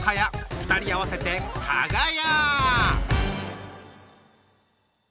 ２人合わせてかが屋。